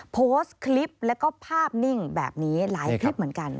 โพสต์คลิปแล้วก็ภาพนิ่งแบบนี้หลายคลิปเหมือนกัน